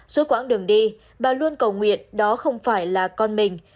suốt quãng đường đi bà luôn cầu nguyện đó không phải là con mình